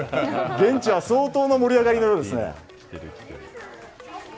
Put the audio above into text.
現地は相当な盛り上がりのようですね。